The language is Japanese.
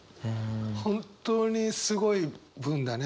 本当にすごい文だね